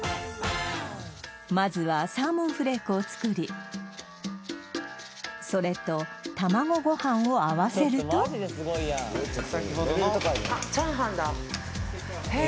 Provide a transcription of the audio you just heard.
まずはサーモンフレークを作りそれと卵ご飯を合わせるとへえ！